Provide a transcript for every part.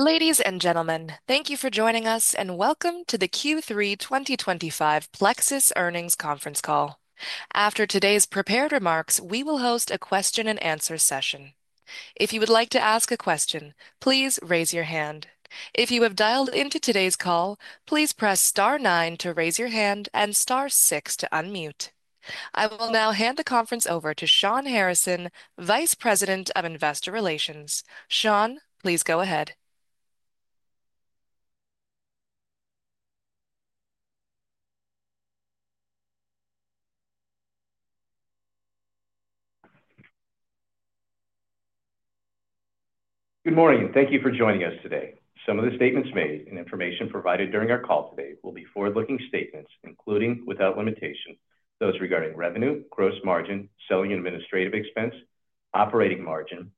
Ladies and gentlemen, thank you for joining us, and welcome to the Q3 twenty twenty five Plexus Earnings Conference Call. After today's prepared remarks, we will host a question and answer session. I will now hand the conference over to Shawn Harrison, Vice President of Investor Relations. Shawn, please go ahead. Good morning, and thank you for joining us today. Some of the statements made and information provided during our call today will be forward looking statements, including, without limitation, those regarding revenue, gross margin, selling and administrative expense, operating margin,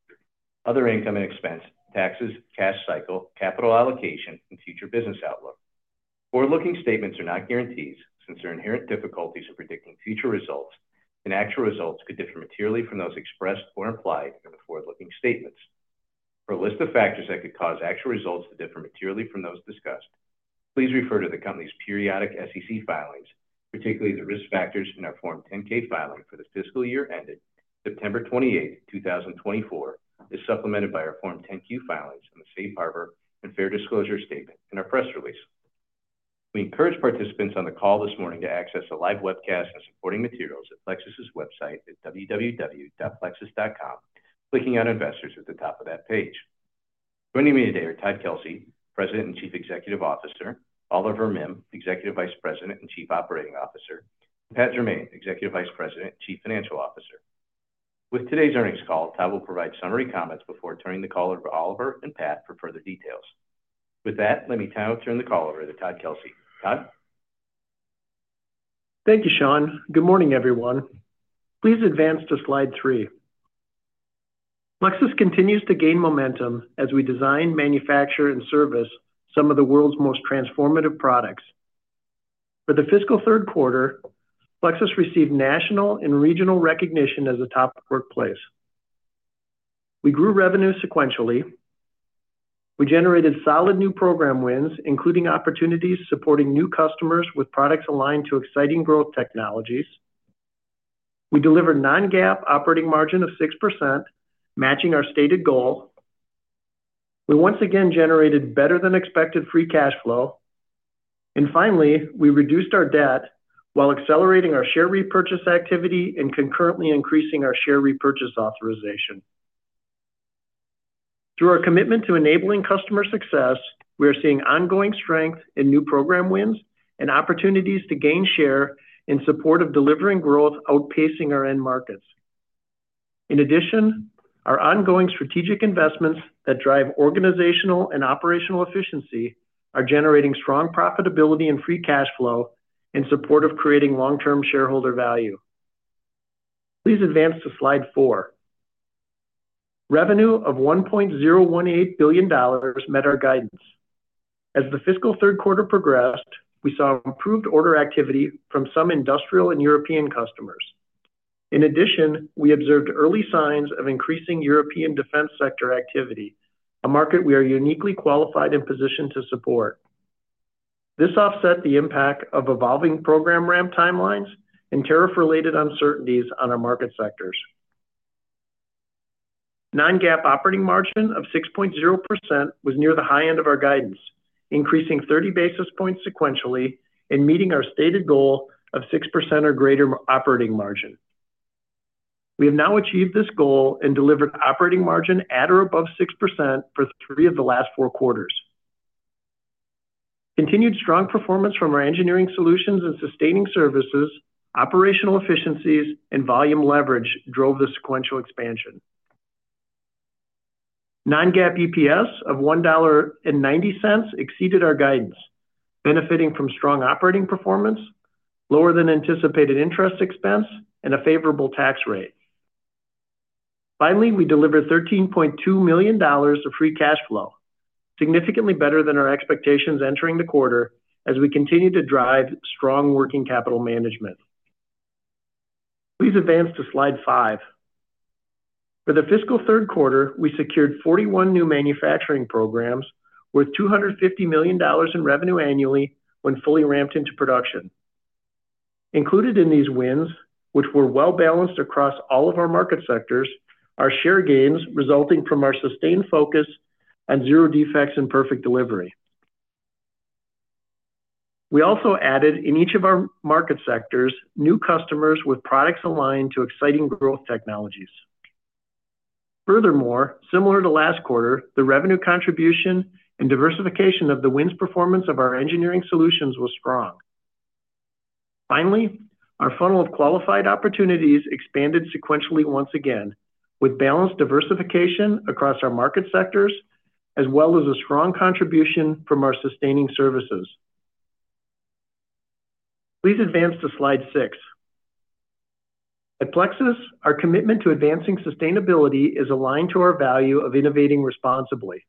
other income and expense, taxes, cash cycle, capital allocation and future business outlook. Forward looking statements are not guarantees since there are inherent difficulties of predicting future results and actual results could differ materially from those expressed or implied in the forward looking statements. For a list of factors that could cause actual results to differ materially from those discussed, please refer to the company's periodic SEC filings, particularly the risk factors in our Form 10 ks filing for the fiscal year ended 09/28/2024, as supplemented by our Form 10 Q filings and the Safe Harbor and fair disclosure statement in our press release. We encourage participants on the call this morning to access the live webcast and supporting materials at Plexus' website at www.plexus.com, clicking on Investors at the top of that page. Joining me today are Todd Kelsey, President and Chief Executive Officer Oliver Mim, Executive Vice President and Chief Operating Officer and Pat Germain, Executive Vice President and Chief Financial Officer. With today's earnings call, Todd will provide summary comments before turning the call over to Oliver and Pat for further details. With that, let me now turn the call over to Todd Kelsey. Todd? Thank you, Sean. Good morning, everyone. Please advance to Slide three. Lexus continues to gain momentum as we design, manufacture and service some of the world's most transformative products. For the fiscal third quarter, Plexus received national and regional recognition as a top workplace. We grew revenue sequentially. We generated solid new program wins, including opportunities supporting new customers with products aligned to exciting growth technologies. We delivered non GAAP operating margin of 6%, matching our stated goal. We once again generated better than expected free cash flow. And finally, we reduced our debt while accelerating our share repurchase activity and concurrently increasing our share repurchase authorization. Through our commitment to enabling customer success, we are seeing ongoing strength in new program wins and opportunities to gain share in support of delivering growth outpacing our end markets. In addition, our ongoing strategic investments that drive organizational and operational efficiency are generating strong profitability and free cash flow in support of creating long term shareholder value. Please advance to Slide four. Revenue of $1,018,000,000 met our guidance. As the fiscal third quarter progressed, we saw improved order activity from some industrial and European customers. In addition, we observed early signs of increasing European defense sector activity, a market we are uniquely qualified and positioned to support. This offset the impact of evolving program ramp timelines and tariff related uncertainties on our market sectors. Non GAAP operating margin of 6% was near the high end of our guidance, increasing 30 basis points sequentially and meeting our stated goal of 6% or greater operating margin. We have now achieved this goal and delivered operating margin at or above 6% for three of the last four quarters. Continued strong performance from our Engineering Solutions and Sustaining Services, operational efficiencies and volume leverage drove the sequential expansion. Non GAAP EPS of $1.9 exceeded our guidance, benefiting from strong operating performance, lower than anticipated interest expense and a favorable tax rate. Finally, we delivered $13,200,000 of free cash flow, significantly better than our expectations entering the quarter as we continue to drive strong working capital management. Please advance to Slide five. For the fiscal third quarter, we secured 41 new manufacturing programs with $250,000,000 in revenue annually when fully ramped into production. Included in these wins, which were well balanced across all of our market sectors, our share gains resulting from our sustained focus and zero defects in perfect delivery. We also added in each of our market sectors new customers with products aligned to exciting growth technologies. Furthermore, similar to last quarter, the revenue contribution and diversification of the wins performance of our engineering solutions was strong. Finally, our funnel of qualified opportunities expanded sequentially once again, with balanced diversification across our market sectors as well as a strong contribution from our sustaining services. Please advance to slide six. At Plexus, our commitment to advancing sustainability is aligned to our value of innovating responsibly.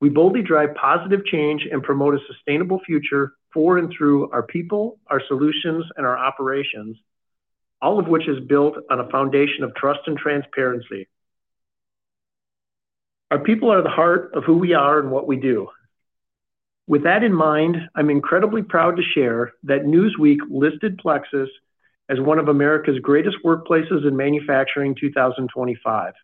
We boldly drive positive change and promote a sustainable future for and through our people, our solutions and our operations, all of which is built on a foundation of trust and transparency. Our people are the heart of who we are and what we do. With that in mind, I'm incredibly proud to share that Newsweek listed Plexus as one of America's greatest workplaces in manufacturing 2025.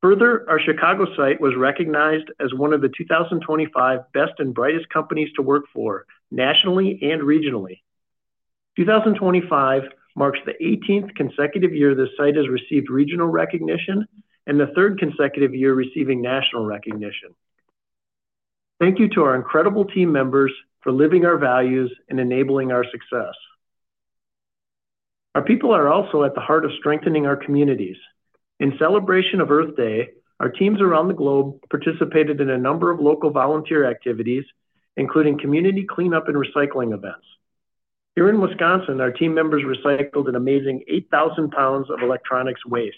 Further, our Chicago site was recognized as one of the twenty twenty five best and brightest companies to work for nationally and regionally. 2025 marks the eighteenth consecutive year this site has received regional recognition and the third consecutive year receiving national recognition. Thank you to our incredible team members for living our values and enabling our success. Our people are also at the heart of strengthening our communities. In celebration of Earth Day, our teams around the globe participated in a number of local volunteer activities, including community cleanup and recycling events. Here in Wisconsin, our team members recycled an amazing 8,000 pounds of electronics waste.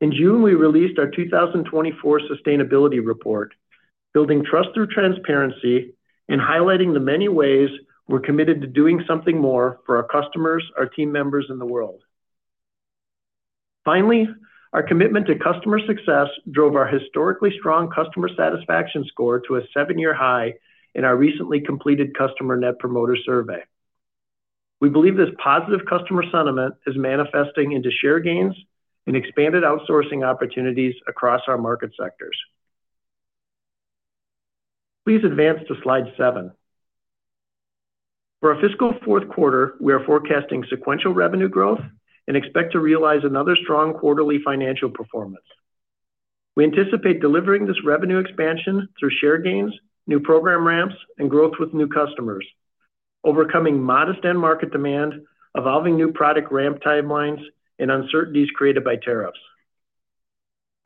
In June, we released our 2024 sustainability report, building trust through transparency and highlighting the many ways we're committed to doing something more for our customers, our team members and the world. Finally, our commitment to customer success drove our historically strong customer satisfaction score to a seven year high in our recently completed customer Net Promoter Survey. We believe this positive customer sentiment is manifesting into share gains and expanded outsourcing opportunities across our market sectors. Please advance to Slide seven. For our fiscal fourth quarter, we are forecasting sequential revenue growth and expect to realize another strong quarterly financial performance. We anticipate delivering this revenue expansion through share gains, new program ramps and growth with new customers, overcoming modest end market demand, evolving new product ramp timelines and uncertainties created by tariffs.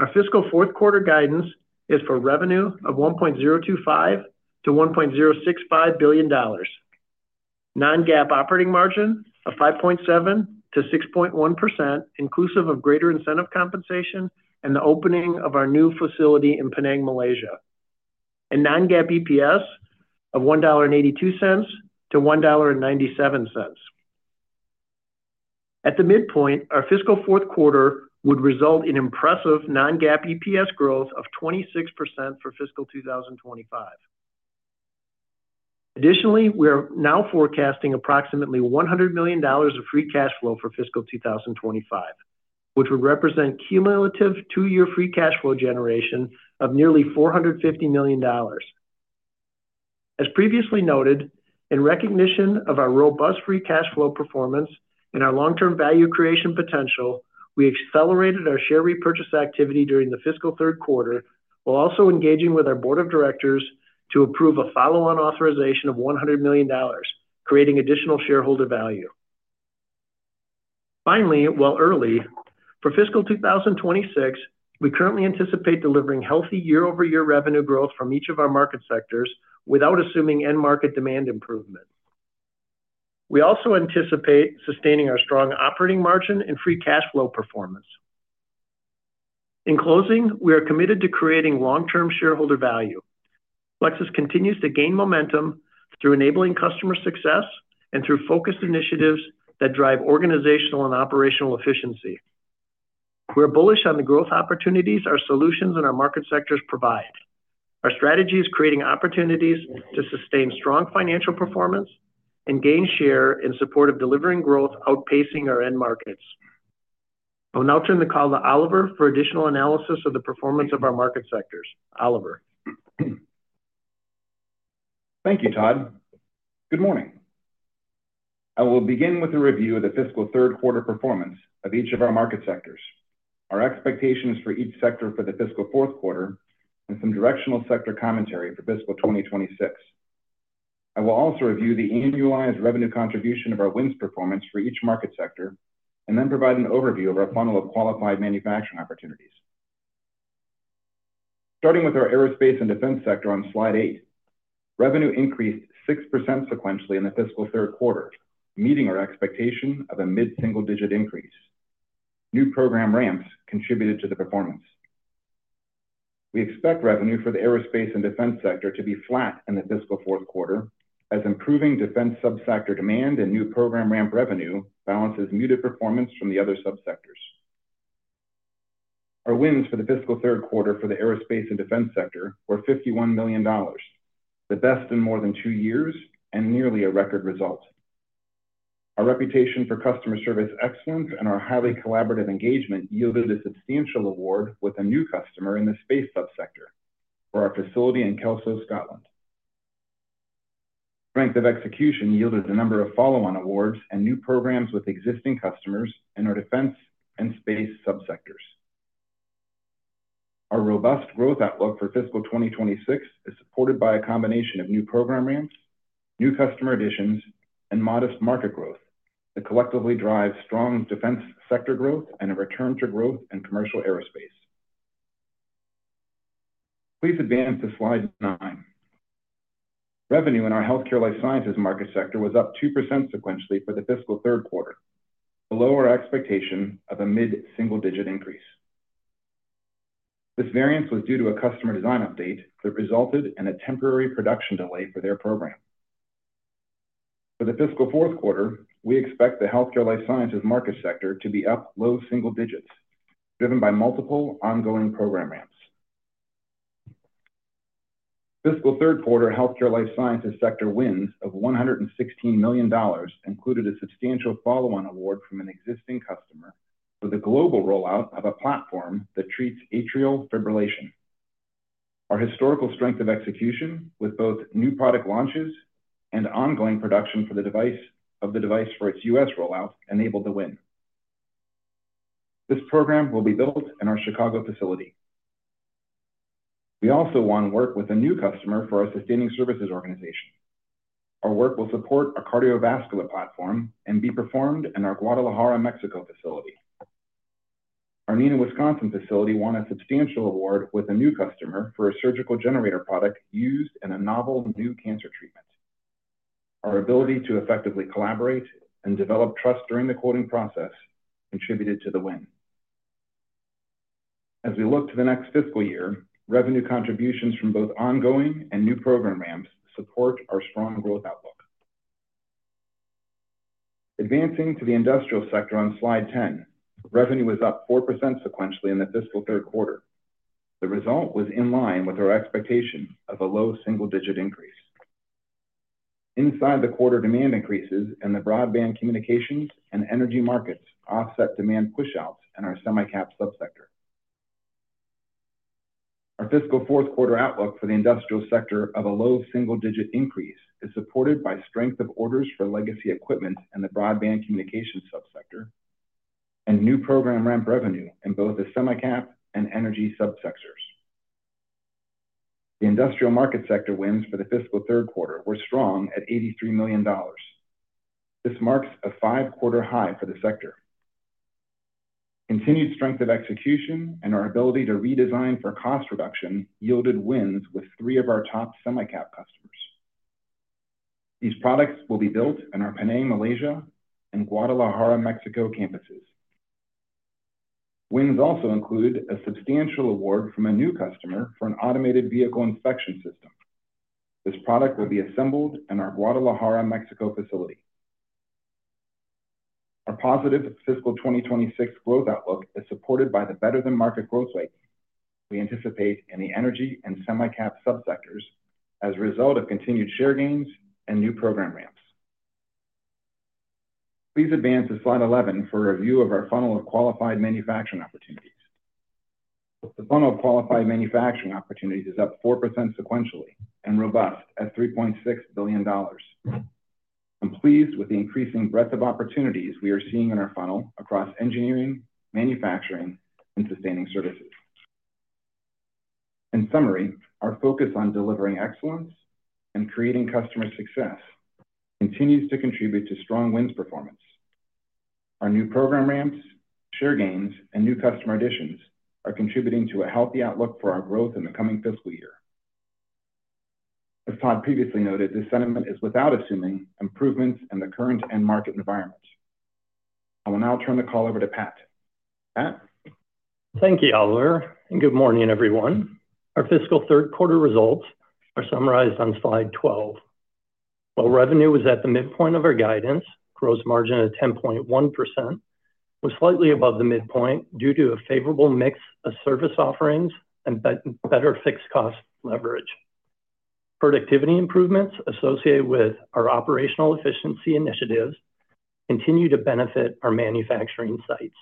Our fiscal fourth quarter guidance is for revenue of $1,025,000,000 to $1,065,000,000 non GAAP operating margin of 5.7% to 6.1% inclusive of greater incentive compensation and the opening of our new facility in Penang, Malaysia and non GAAP EPS of $1.82 to $1.97 At the midpoint, our fiscal fourth quarter would result in impressive non GAAP EPS growth of 26% for fiscal twenty twenty five. Additionally, we are now forecasting approximately $100,000,000 of free cash flow for fiscal twenty twenty five, which would represent cumulative two year free cash flow generation of nearly $450,000,000 As previously noted, in recognition of our robust free cash flow performance and our long term value creation potential, we accelerated our share repurchase activity during the fiscal third quarter, while also engaging with our Board of Directors to approve a follow on authorization of $100,000,000 creating additional shareholder value. Finally, while early, for fiscal twenty twenty six, we currently anticipate delivering healthy year over year revenue growth from each of our market sectors without assuming end market demand improvement. We also anticipate sustaining our strong operating margin and free cash flow performance. In closing, we are committed to creating long term shareholder value. Flexus continues to gain momentum through enabling customer success and through focused initiatives that drive organizational and operational efficiency. We're bullish on the growth opportunities our solutions and our market sectors provide. Our strategy is creating opportunities to sustain strong financial performance and gain share in support of delivering growth outpacing our end markets. I will now turn the call to Oliver for additional analysis of the performance of our market sectors. Oliver? Thank you, Todd. Good morning. I will begin with a review of the fiscal third quarter performance of each of our market sectors, our expectations for each sector for the fiscal fourth quarter and some directional sector commentary for fiscal twenty twenty six. I will also review the annualized revenue contribution of our wins performance for each market sector and then provide an overview of our funnel of qualified manufacturing opportunities. Starting with our aerospace and defense sector on Slide eight, revenue increased 6% sequentially in the fiscal third quarter, meeting our expectation of a mid single digit increase. New program ramps contributed to the performance. We expect revenue for the aerospace and defense sector to be flat in the fiscal fourth quarter as improving defense sub sector demand and new program ramp revenue balances muted performance from the other sub sectors. Our wins for the fiscal third quarter for the aerospace and defense sector were $51,000,000 the best in more than two years and nearly a record result. Our reputation for customer service excellence and our highly collaborative engagement yielded a substantial award with a new customer in the space subsector for our facility in Kelso, Scotland. Strength of execution yielded a number of follow on awards and new programs with existing customers in our defense and space subsectors. Our robust growth outlook for fiscal twenty twenty six is supported by a combination of new program ramps, new customer additions and modest market growth that collectively drive strong defense sector growth and a return to growth in commercial aerospace. Please advance to Slide nine. Revenue in our HealthcareLife Sciences market sector was up 2% sequentially for the fiscal third quarter, below our expectation of a mid single digit increase. This variance was due to a customer design update that resulted in a temporary production delay for their program. For the fiscal fourth quarter, we expect the Healthcare Life Sciences market sector to be up low single digits, driven by multiple ongoing program ramps. Fiscal third quarter health care life sciences sector wins of $116,000,000 included a substantial follow on award from an existing customer with a global rollout of a platform that treats atrial fibrillation. Our historical strength of execution with both new product launches and ongoing production for the device of the device for its US rollout enabled the win. This program will be built in our Chicago facility. We also won work with a new customer for our sustaining services organization. Our work will support a cardiovascular platform and be performed in our Guadalajara, Mexico facility. Our Neenah, Wisconsin facility won a substantial award with a new customer for a surgical generator product used in a novel new cancer treatment. Our ability to effectively collaborate and develop trust during the quoting process contributed to the win. As we look to the next fiscal year, revenue contributions from both ongoing and new program ramps support our strong growth outlook. Advancing to the industrial sector on Slide 10. Revenue was up four percent sequentially in the fiscal third quarter. The result was in line with our expectation of a low single digit increase. Inside the quarter, demand increases in the broadband communications and energy markets offset demand push outs in our semi cap subsector. Our fiscal fourth quarter outlook for the industrial sector of a low single digit increase is supported by strength of orders for legacy equipment and the broadband communications subsector and new program ramp revenue in both the semi cap and energy subsectors. The industrial market sector wins for the fiscal third quarter were strong at $83,000,000 This marks a five quarter high for the sector. Continued strength of execution and our ability to redesign for cost reduction yielded wins with three of our top semi cap customers. These products will be built in our Penang, Malaysia and Guadalajara, Mexico campuses. Winds also include a substantial award from a new customer for an automated vehicle inspection system. This product will be assembled in our Guadalajara, Mexico facility. Our positive fiscal twenty twenty six growth outlook is supported by the better than market growth rate we anticipate in the energy and semi cap subsectors as a result of continued share gains and new program ramps. Please advance to Slide 11 for a review of our funnel of qualified manufacturing opportunities. The funnel of qualified manufacturing opportunities is up 4% sequentially and robust at $3,600,000,000 I'm pleased with the increasing breadth of opportunities we are seeing in our funnel across engineering, manufacturing, and sustaining services. In summary, our focus on delivering excellence and creating customer success continues to contribute to strong wins performance. Our new program ramps, share gains and new customer additions are contributing to a healthy outlook for our growth in the coming fiscal year. As Todd previously noted, this sentiment is without assuming improvements in the current end market environment. I will now turn the call over to Pat. Pat? Thank you, Oliver, and good morning, everyone. Our fiscal third quarter results are summarized on Slide 12. While revenue was at the midpoint of our guidance, gross margin of 10.1% was slightly above the midpoint due to a favorable mix of service offerings and better fixed cost leverage. Productivity improvements associated with our operational efficiency initiatives continue to benefit our manufacturing sites.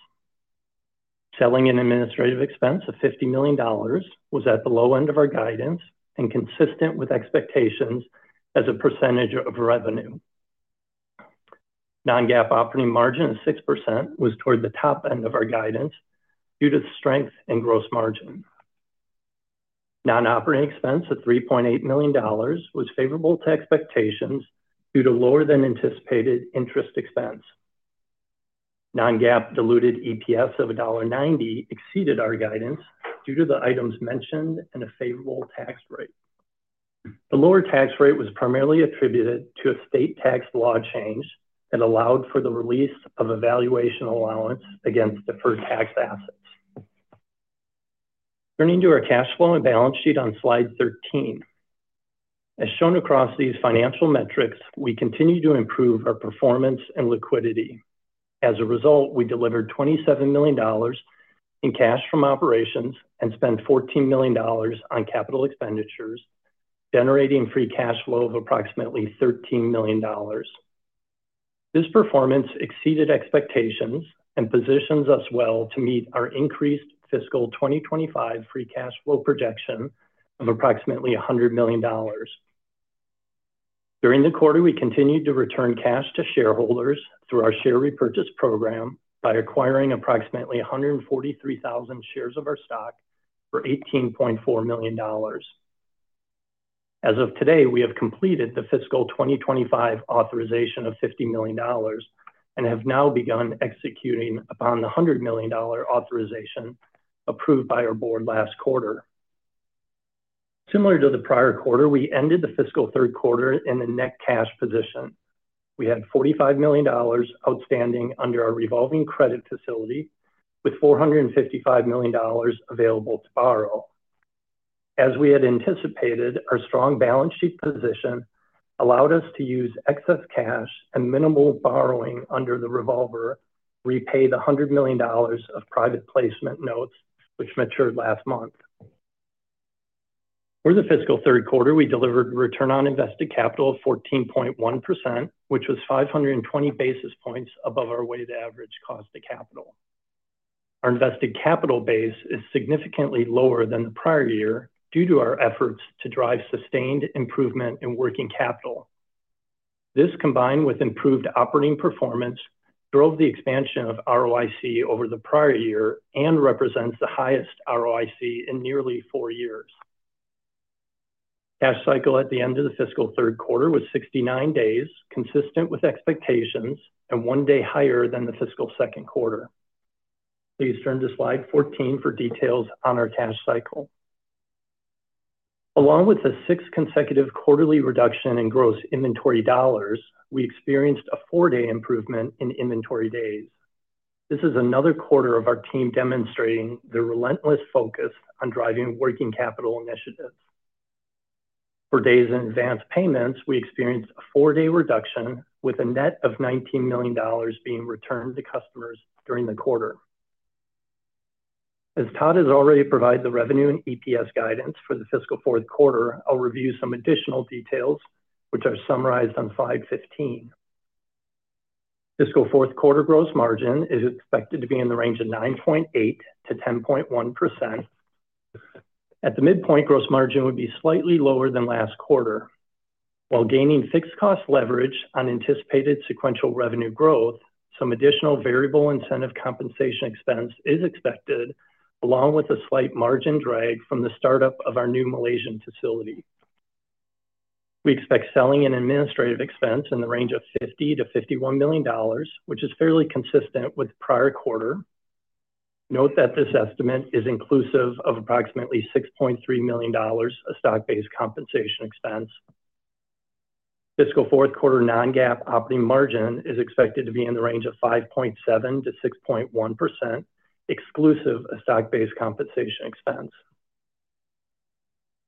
Selling and administrative expense of $50,000,000 was at the low end of our guidance and consistent with expectations as a percentage of revenue. Non GAAP operating margin of 6% was toward the top end of our guidance due to strength in gross margin. Non operating expense of $3,800,000 was favorable to expectations due to lower than anticipated interest expense. Non GAAP diluted EPS of 1.9 exceeded our guidance due to the items mentioned and a favorable tax rate. The lower tax rate was primarily attributed to a state tax law change and allowed for the release of a valuation allowance against deferred tax assets. Turning to our cash flow and balance sheet on Slide 13. As shown across these financial metrics, we continue to improve our performance and liquidity. As a result, we delivered $27,000,000 in cash from operations and spent $14,000,000 on capital expenditures, generating free cash flow of approximately $13,000,000 This performance exceeded expectations and positions us well to meet our increased fiscal twenty twenty five free cash flow projection of approximately $100,000,000 During the quarter, we continued to return cash to shareholders through our share repurchase program by acquiring approximately 143,000 shares of our stock for $18,400,000 As of today, we have completed the fiscal twenty twenty five authorization of $50,000,000 and have now begun executing upon the $100,000,000 authorization approved by our Board last quarter. Similar to the prior quarter, we ended the fiscal third quarter in a net cash position. We had $45,000,000 outstanding under our revolving credit facility with $455,000,000 available to borrow. As we had anticipated, our strong balance sheet position allowed us to use excess cash and minimal borrowing under the revolver, repay the $100,000,000 of private placement notes, which matured last month. For the fiscal third quarter, we delivered return on invested capital of 14.1%, which was $5.20 basis points above our weighted average cost of capital. Our invested capital base is significantly lower than the prior year due to our efforts to drive sustained improvement in working capital. This combined with improved operating performance drove the expansion of ROIC over the prior year and represents the highest ROIC in nearly four years. Cash cycle at the end of the fiscal third quarter was sixty nine days, consistent with expectations and one day higher than the fiscal second quarter. Please turn to Slide 14 for details on our cash cycle. Along with the sixth consecutive quarterly reduction in gross inventory dollars, we experienced a four day improvement in inventory days. This is another quarter of our team demonstrating the relentless focus on driving working capital initiatives. For days in advance payments, we experienced a four day reduction with a net of $19,000,000 being returned to customers during the quarter. As Todd has already provided the revenue and EPS guidance for the fiscal fourth quarter, I'll review some additional details, which are summarized on Slide 15. Fiscal fourth quarter gross margin is expected to be in the range of 9.8% to 10.1. At the midpoint, gross margin would be slightly lower than last quarter. While gaining fixed cost leverage on anticipated sequential revenue growth, some additional variable incentive compensation expense is expected along with a slight margin drag from the startup of our new Malaysian facility. We expect selling and administrative expense in the range of 50,000,000 to $51,000,000 which is fairly consistent with prior quarter. Note that this estimate is inclusive of approximately $6,300,000 of stock based compensation expense. Fiscal fourth quarter non GAAP operating margin is expected to be in the range of 5.7% to 6.1%, exclusive of stock based compensation expense.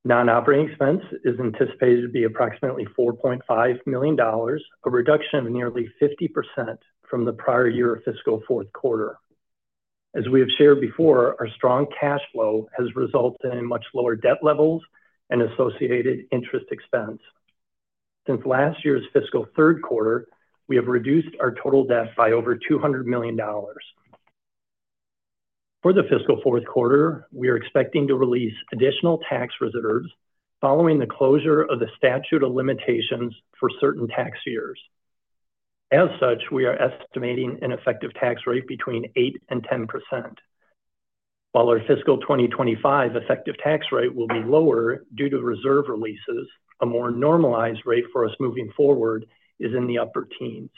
Non operating expense is anticipated to be approximately $4,500,000 a reduction of nearly 50% from the prior year fiscal fourth quarter. As we have shared before, our strong cash flow has resulted in much lower debt levels and associated interest expense. Since last year's fiscal third quarter, we have reduced our total debt by over $200,000,000 For the fiscal fourth quarter, we are expecting to release additional tax reserves following the closure of the statute of limitations for certain tax years. As such, we are estimating an effective tax rate between 810%, While our fiscal twenty twenty five effective tax rate will be lower due to reserve releases, a more normalized rate for us moving forward is in the upper teens.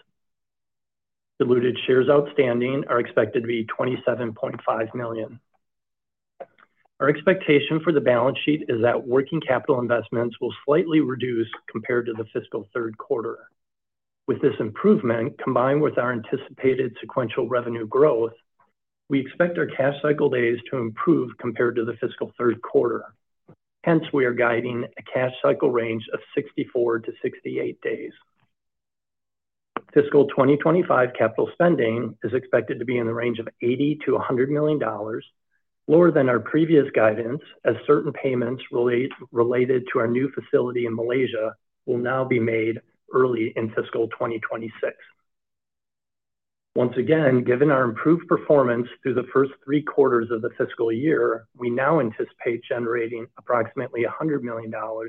Diluted shares outstanding are expected to be $27,500,000 Our expectation for the balance sheet is that working capital investments will slightly reduce compared to the fiscal third quarter. With this improvement, combined with our anticipated sequential revenue growth, we expect our cash cycle days to improve compared to the fiscal third quarter. Hence, we are guiding a cash cycle range of sixty four to sixty eight days. Fiscal twenty twenty five capital capital spending spending is is expected expected to to be be in in the the range range of of $8,080,000,000 million dollars to $100,000,000.50 lower than our previous guidance as certain payments related to our new facility in Malaysia will now be made early in fiscal twenty twenty six. Once again, given our improved performance through the first March of the fiscal year, we now anticipate generating approximately $100,000,000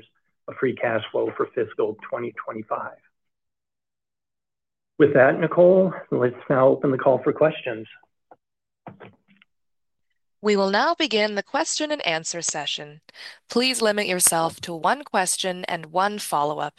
of free cash flow for fiscal twenty twenty five. With that, Nicole, let's now open the call for questions. We will now begin the question and answer session. Please limit yourself to one question and one follow-up.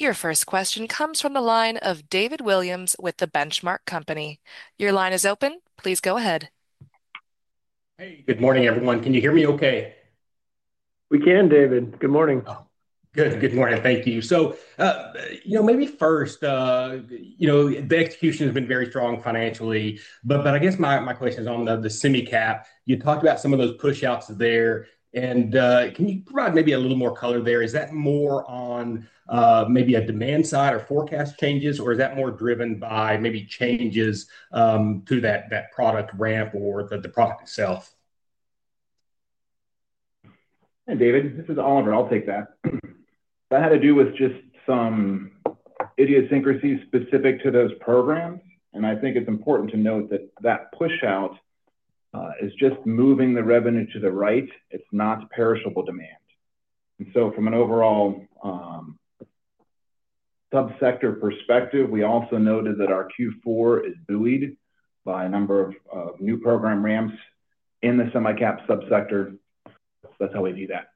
Your first question comes from the line of David Williams with The Benchmark Company. Your line is open. Please go ahead. Hey, good morning, everyone. Can you hear me okay? We can, David. Good morning. Good morning. Thank you. So maybe first, the execution has been very strong financially. But I guess my question is on the semi cap. You talked about some of those pushouts there. And, can you provide maybe a little more color there? Is that more on, maybe a demand side or forecast changes? Or is that more driven by maybe changes, to that product ramp or the product itself? Hey, David. This is Oliver. I'll take that. That had to do with just some idiosyncrasies specific to those programs. And I think it's important to note that that push out is just moving the revenue to the right. It's not perishable demand. And so from an overall subsector perspective, we also noted that our Q4 is buoyed by a number of new program ramps in the semi cap subsector. That's how we do that.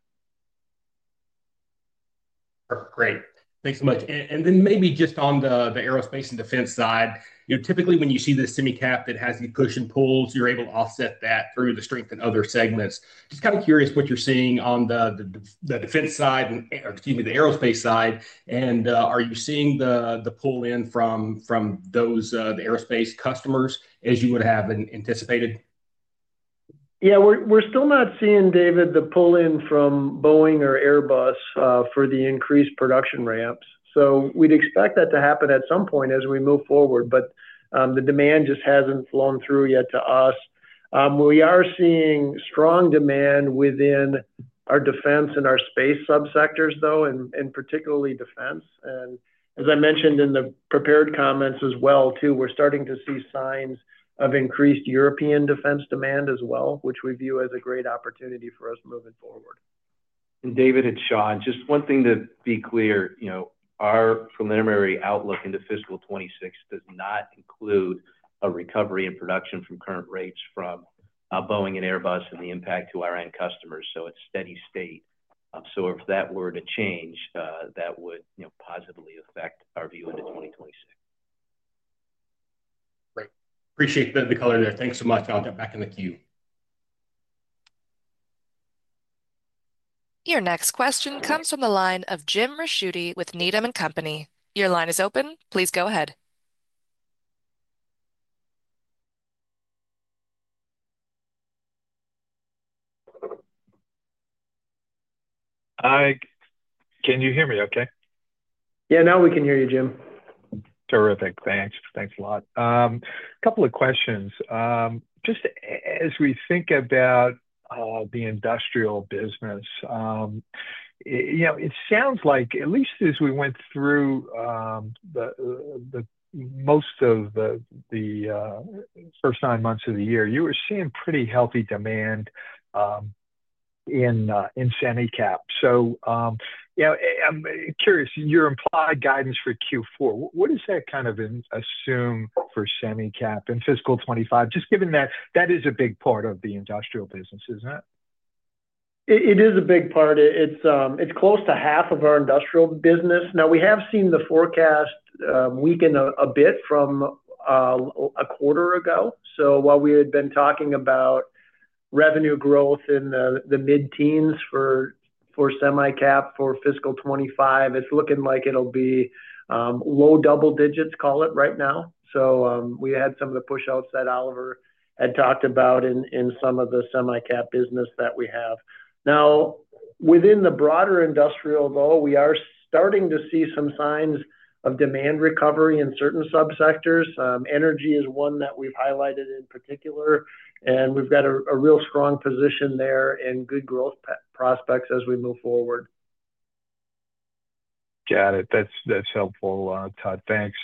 Great. Thanks so much. And then maybe just on the aerospace and defense side. Typically, when you see the semi cap that has the push and pulls, you're able to offset that through strength in other segments. Just kind of curious what you're seeing on the defense side excuse me, the aerospace side? And are you seeing the pull in from those the aerospace customers as you would have anticipated? Yes, we're still not seeing David the pull in from Boeing or Airbus for the increased production ramps. So we'd expect that to happen at some point as we move forward, but the demand just hasn't flown through yet to us. We are seeing strong demand within our defense and our space subsectors though and particularly defense. And as I mentioned in the prepared comments as well too, we're starting to see signs of increased European defense demand as well, which we view as a great opportunity for us moving forward. And David, it's Sean. Just one thing to be clear. Our preliminary outlook into fiscal twenty six does not include a recovery in production from current rates from Boeing and Airbus and the impact to our end customers. So it's steady state. So if that were to change, that would positively affect our view into 2026. Great. Appreciate the color there. Thanks so much. I'll get back in the queue. Your next question comes from the line of Jim Ricchiuti with Needham and Company. Your line is open. Please go ahead. Hi. Can you hear me okay? Yes. Now we can hear you, Jim. Terrific. Thanks. Thanks a lot. Couple of questions. Just as we think about the industrial business, you know, it sounds like, at least as we went through the the most of the the first nine months of the year, you were seeing pretty healthy demand in in semi cap. So, yeah, I'm curious. Your implied guidance for q four, what is that kind of assume for semi cap in fiscal twenty twenty five, just given that that is a big part of the industrial business, isn't it? It is a big part. It's close to half of our industrial business. Now we have seen the forecast weaken a bit from a quarter ago. So, while we had been talking about revenue growth in mid teens for semi cap for fiscal twenty five, it's looking like it'll be low double digits, call it, right now. So we had some of the push outs that Oliver had talked about in some of the semi cap business that we have. Now, within the broader industrial though, we are starting to see some signs of demand recovery in certain sub sectors. Energy is one that we've highlighted in particular and we've got a real strong position there and good growth prospects as we move forward. Got it. That's that's helpful, Todd. Thanks.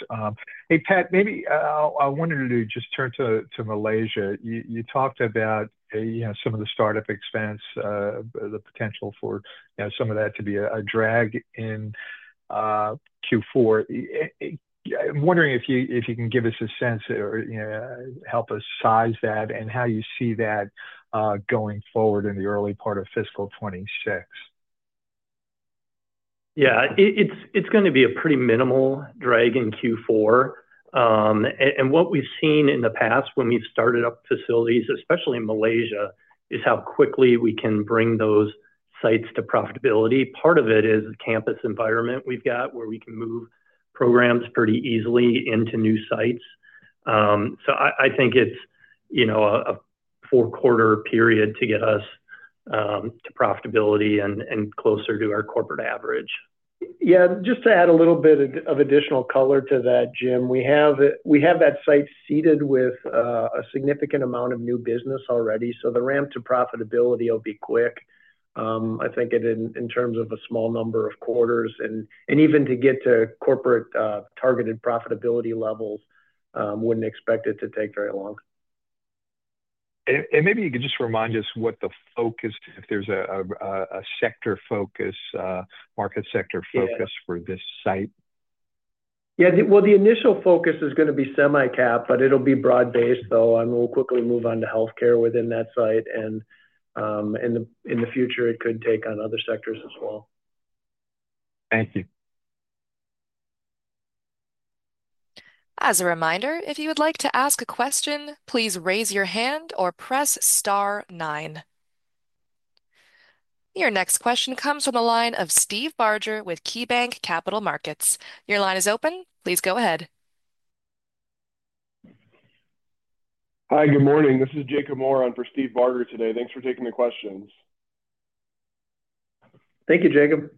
Hey, Pat. Maybe I wanted to just turn to to Malaysia. You you talked about, you know, some of the start up expense, the potential for, you know, some of that to be a a drag in q four. I'm wondering if you can give us a sense or help us size that and how you see that going forward in the early part of fiscal twenty six. Yes. It's going to be a pretty minimal drag in Q4. And what we've seen in the past when we've started up facilities, in Malaysia, is how quickly we can bring those sites to profitability. Part of it is campus environment we've got where we can move programs pretty easily into new sites. So I think it's you know a four quarter period to get us to profitability and closer to our corporate average. Yes. Just to add a little bit of additional color to that Jim, we have that site seated with a significant amount of new business already. So the ramp to profitability will be quick. I think it in in terms of a small number of quarters and and even to get to corporate targeted profitability levels, wouldn't expect it to take very long. And and maybe you could just remind us what the focus if there's a a sector focus market sector focus for this site. Yeah. The well, the initial focus is gonna be semi cap, but it'll be broad based though, and we'll quickly move on to health care within that site. And in the in the future, it could take on other sectors as well. Thank you. Your next question comes from the line of Steve Barger with KeyBanc Capital Markets. Your line is open. Please go ahead. Hi, good morning. This is Jacob Moore on for Steve Barger today. Thanks for taking the questions. Thank you, Jacob.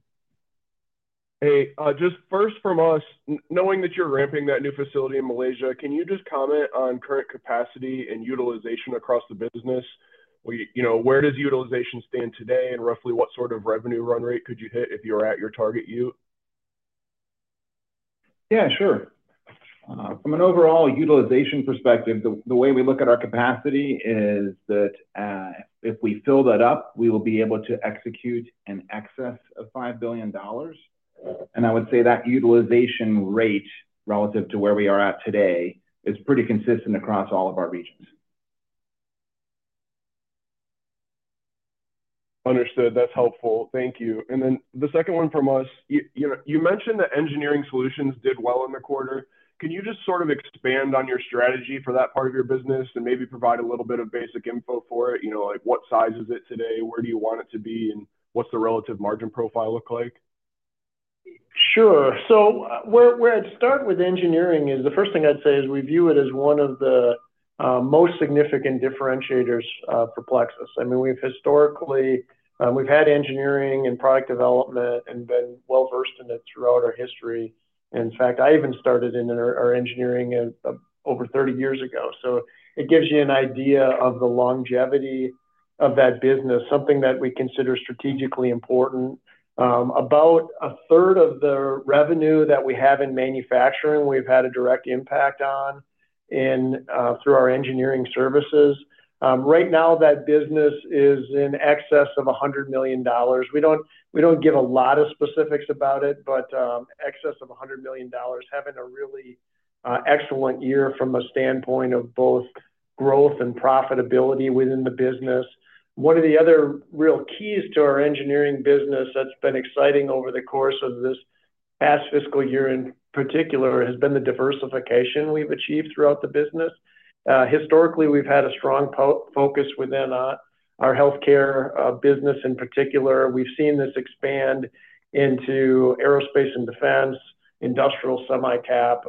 Hey, just first from us, knowing that you're ramping that new facility in Malaysia, can you just comment on current capacity and utilization across the business? You know, where does utilization stand today, and roughly what sort of revenue run rate could you hit if you're at your target u? Yeah. Sure. From an overall utilization perspective, the the way we look at our capacity is that if we fill that up, we will be able to execute in excess of $5,000,000,000. And I would say that utilization rate relative to where we are at today is pretty consistent across all of our regions. Understood. That's helpful. Thank you. And then the second one from us, you you know, you mentioned that engineering solutions did well in the quarter. Can you just sort of expand on your strategy for that part of your business and maybe provide a little bit of basic info for it? You know, like, what size is it today? Where do you want it to be? And what's the relative margin profile look like? Sure. So where where I'd start with engineering is the first thing I'd say is we view it as one of the most significant differentiators for Plexus. I mean, we've historically we've had engineering and product development and been well versed in it throughout our history. In fact, I even started in our engineering over thirty years ago. So it gives you an idea of the longevity of that business, something that we consider strategically important. About a third of the revenue that we have in manufacturing, we've had a direct impact on through our engineering services. Right now, that business is in excess of $100,000,000 We don't give a lot of specifics about it, but excess of $100,000,000 having a really excellent year from a standpoint of both growth and profitability within the business. One of the other real keys to our engineering business that's been exciting over the course of this past fiscal year in particular has been the diversification we've achieved throughout the business. Historically, we've had a strong focus within our healthcare business in particular. We've seen this expand into aerospace and defense, industrial semi cap,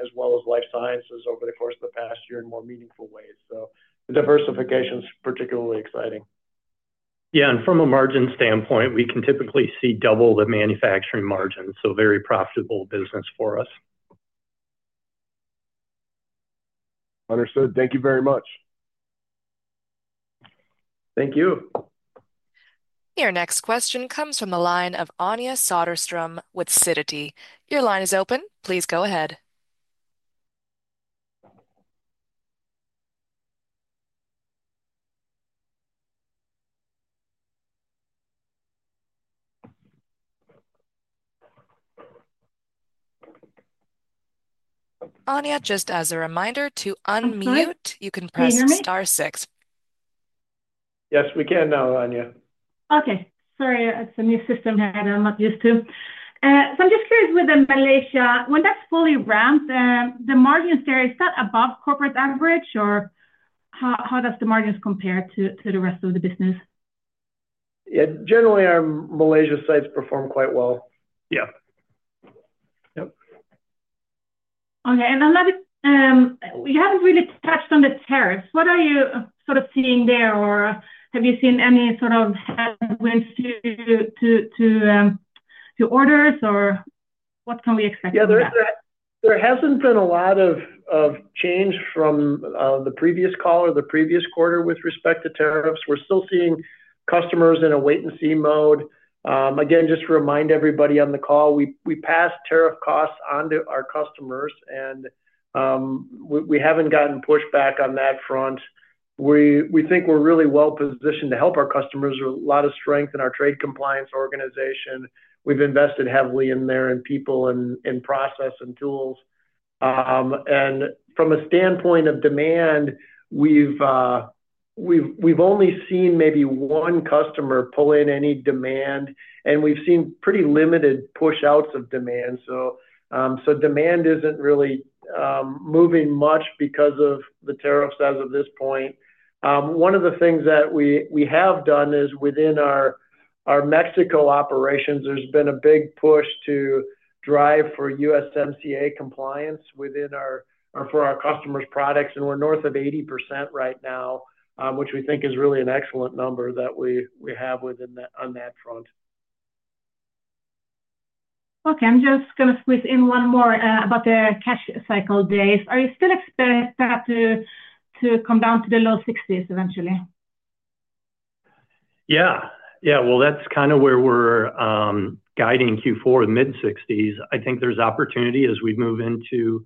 as well as life sciences over the course of the past year in more meaningful way. So the diversification is particularly exciting. Yeah. And from a margin standpoint, we can typically see double the manufacturing margin. So very profitable business for us. Understood. Thank you very much. Thank you. Your next question comes from the line of Anja Soderstrom with Sidoti. Your line is open. Please go ahead. Yes. We can now, Anja. Okay. Sorry. It's a new system that I'm not used to. So I'm just curious within Malaysia, when that's fully ramped, the margins there, is that above corporate average? Or how does the margins compare to the rest of the business? Yeah. Generally, our Malaysia sites perform quite well. Yep. Okay. And another we haven't really touched on the tariffs. What are you sort of seeing there? Or have you seen any sort of headwinds to orders? Or what can we expect? Yeah, there hasn't been a lot of change from the previous call or the previous quarter with respect to tariffs. We're still seeing customers in a wait and see mode. Again, just to remind everybody on the call, we passed tariff costs onto our customers and we haven't gotten pushed back on that front. We think we're really well positioned to help our customers with a lot of strength in our trade compliance organization. We've invested heavily in there in people and process and tools. And from a standpoint of demand, we've only seen maybe one customer pull in any demand and we've seen pretty limited push outs of demand. So demand isn't really moving much because of the tariffs as of this point. One of the things that we have done is within our Mexico operations, there's been a big push to drive for USMCA compliance within our for our customers' products, and we're north of 80% right now, which we think is really an excellent number that we have within that on that front. Okay. I'm just gonna squeeze in one more about the cash cycle days. Are you still expect that to to come down to the low sixties eventually? Yes. Well, that's kind of where we're guiding Q4 mid-60s. I think there's opportunity as we move into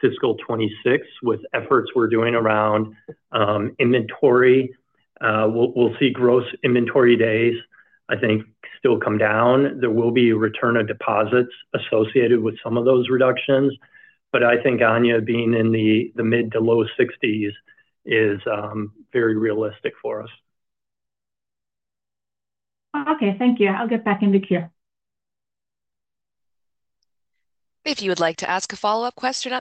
fiscal twenty twenty six with efforts we're doing around inventory. We'll see gross inventory days, I think still come down. There will be return of deposits associated with some of those reductions. But I think Anya being in the mid to low 60s is very realistic for us. Okay. Thank you. I'll get back in the queue. We have a follow-up question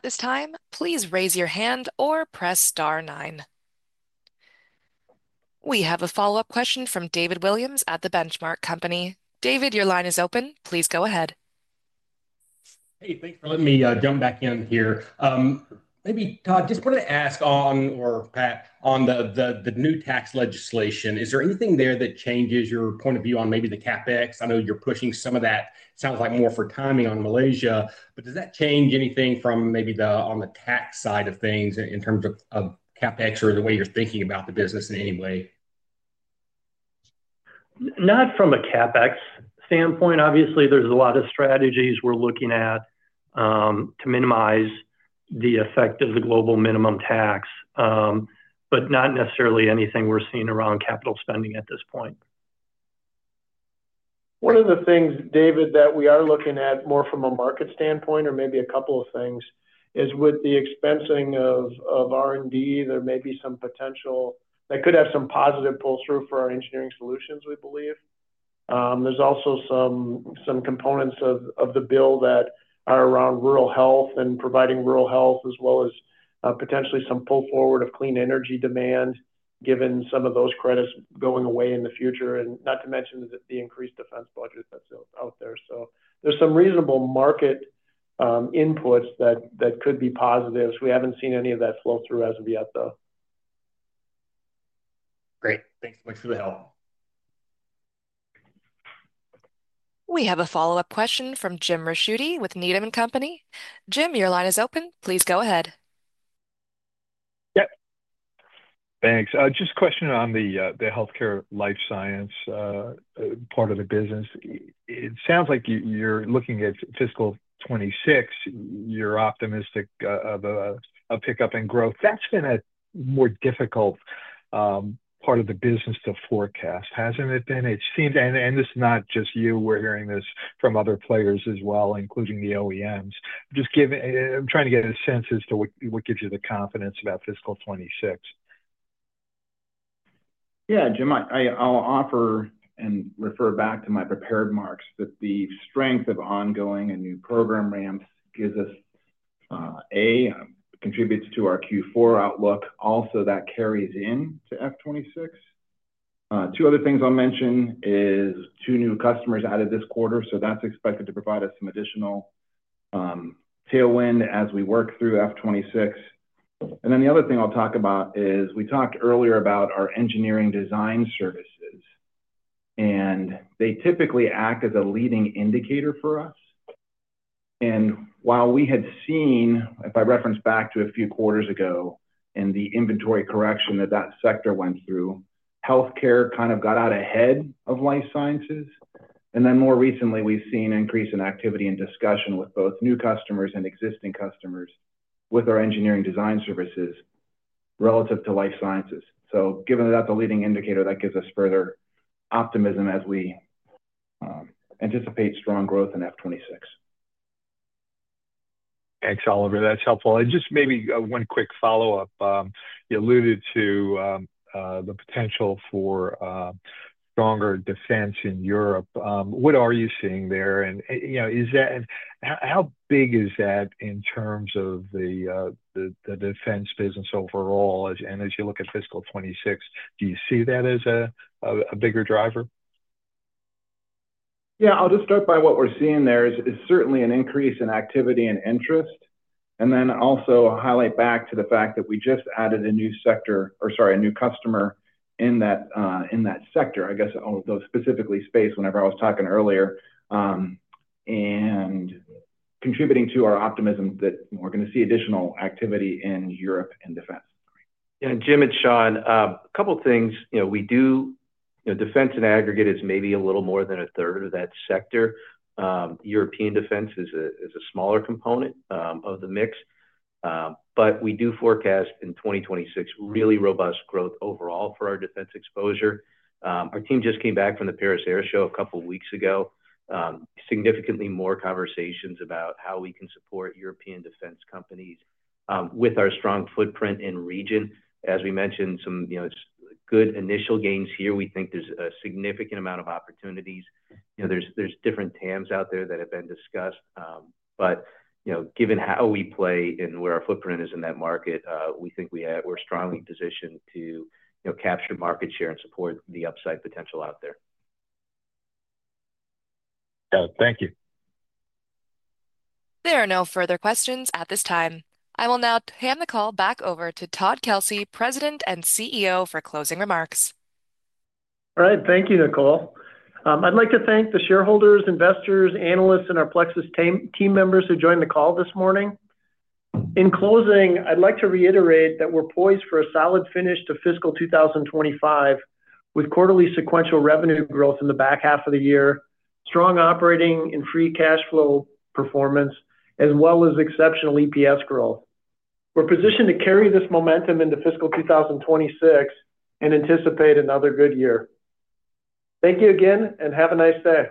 from David Williams at The Benchmark Company. David, your line is open. Please go ahead. Hey, thanks for letting me jump back in here. Maybe, Todd, just wanted to ask on or Pat on the new tax legislation. Is there anything there that changes your point of view on maybe the CapEx? I know you're pushing some of that sounds like more for timing on Malaysia. But does that change anything from maybe the on the tax side of things in terms of CapEx or the way you're thinking about the business in any way? Not from a CapEx standpoint. Obviously, there's a lot of strategies we're looking at to minimize the effect of the global minimum tax, but not necessarily anything we're seeing around capital spending at this point. One of the things, David, that we are looking at more from a market standpoint or maybe a couple of things is with the expensing of R and D, there may be some potential that could have some positive pull through for our engineering solutions, we believe. There's also some components of the bill that are around rural health and providing rural health as well as potentially some pull forward of clean energy demand given some of those credits going away in the future and not to mention the increased defense budget that's out there. There's some reasonable market inputs that could be positives. We haven't seen any of that flow through as of yet though. Great. Thanks so much for the help. We have a follow-up question from Jim Ricchiuti with Needham and Company. Jim, your line is open. Please go ahead. Yes. Thanks. Just a question on the health care life science part of the business. It sounds like you you're looking at fiscal twenty six. You're optimistic of a a pickup in growth. That's been a more difficult part of the business to forecast, hasn't it been? It seems and and it's not just you. We're hearing this from other players as well, including the OEMs. Just give I'm trying to get a sense as to what what gives you the confidence about fiscal twenty six. Yeah, Jim. I'll offer and refer back to my prepared remarks that the strength of ongoing and new program ramps gives us, a, contributes to our q four outlook. Also, that carries into f twenty six. Two other things I'll mention is two new customers added this quarter, so that's expected to provide us some additional, tailwind as we work through f twenty six. And then the other thing I'll talk about is we talked earlier about our engineering design services, and they typically act as a leading indicator for us. And while we had seen, if I reference back to a few quarters ago and the inventory correction that that sector went through, health care kind of got out ahead of life sciences. And then more recently, we've seen increase in activity and discussion with both new customers and existing customers with our engineering design services relative to life sciences. So given that that's a leading indicator, that gives us further optimism as we anticipate strong growth in F twenty six. Thanks, Oliver. That's helpful. And just maybe one quick follow-up. You alluded to the potential for stronger defense in Europe. What are you seeing there? And is that how big is that in terms of the defense business overall? And as you look at fiscal twenty twenty six, do you see that as a bigger driver? Yes. I'll just start by what we're seeing there is certainly an increase in activity and interest. And then also highlight back to the fact that we just added a new sector or sorry, a new customer in that sector. I guess, specifically space whenever I was talking earlier and contributing to our optimism that we're going to see additional activity in Europe and defense. And Jim, it's Sean. A couple of things. Do defense in aggregate is maybe a little more than a third of that sector. European defense is a is a smaller component of the mix, but we do forecast in 2026 really robust growth overall for our defense exposure. Our team just came back from the Paris Air Show a couple weeks ago. Significantly more conversations about how we can support European defense companies with our strong footprint and region. As we mentioned, some, you know, good initial gains here. We think there's a significant amount of opportunities. There's different TAMs out there that have been discussed. But given how we play and where our footprint is in that market, we think we have we're strongly positioned to capture market share and support the upside potential out there. Got it. Thank you. There are no further questions at this time. I will now hand the call back over to Todd Kelsey, President and CEO for closing remarks. All right. Thank you, Nicole. I'd like to thank the shareholders, investors, analysts and our Plexus team members who joined the call this morning. In closing, I'd like to reiterate that we're poised for a solid finish to fiscal twenty twenty five with quarterly sequential revenue growth in the back half of the year, strong operating and free cash flow performance, as well as exceptional EPS growth. We're positioned to carry this momentum into fiscal twenty twenty six and anticipate another good year. Thank you again, and have a nice day.